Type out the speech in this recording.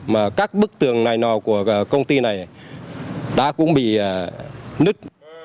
mà các bức tường này nò của công ty này đã cũng bị nứt